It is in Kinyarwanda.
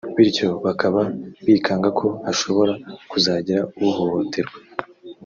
bityo bakaba bikanga ko hashobora kuzagira uhohoterwa